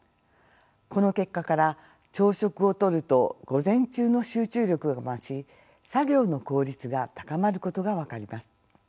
この結果から朝食をとると午前中の集中力が増し作業の効率が高まることが分かります。